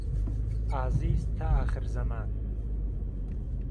ئازیز تا ئاخر زهمان